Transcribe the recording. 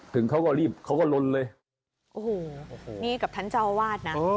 ถึงเขาก็รีบเขาก็ลนเลยโอ้โหนี่กับท่านเจ้าอาวาสนะ